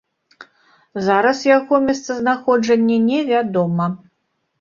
Зараз яго месцазнаходжанне невядома.